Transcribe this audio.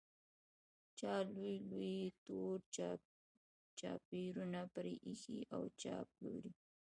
چا لوی لوی تور چایبرونه پرې ایښي او چای پلوري.